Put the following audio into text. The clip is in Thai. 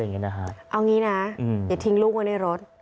เอางี้นะอย่าทิ้งลูกไว้ในรถ